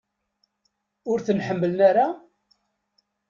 Ur ten-ḥemmlen ara?